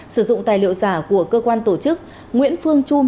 sử dụng tài liệu giả của cơ quan tổ chức nguyễn phương trung